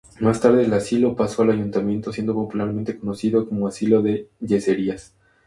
Más tarde el asilo pasó al ayuntamiento, siendo popularmente conocido como asilo de Yeserías.